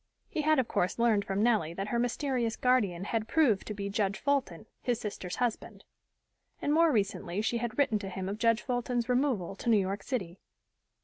He had of course learned from Nellie that her mysterious guardian had proved to be Judge Fulton, his sister's husband. And more recently she had written to him of Judge Fulton's removal to New York City.